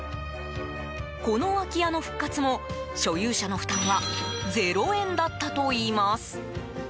この空き家の復活も所有者の負担は０円だったといいます。